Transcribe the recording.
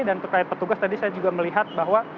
dan terkait petugas tadi saya juga melihat bahwa